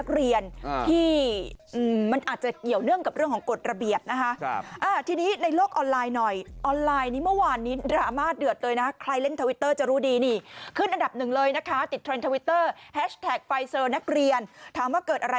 คือตอนนี้ก็ไม่ได้ไปโรงเรียนไหมละ